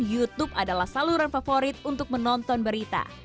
youtube adalah saluran favorit untuk menonton berita